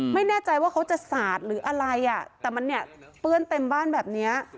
ไม่แน่ใจว่าเขาจะสาดหรืออะไรอ่ะแต่มันเนี่ยเปื้อนเต็มบ้านแบบเนี้ย